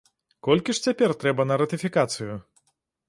Колькі ж цяпер трэба на ратыфікацыю?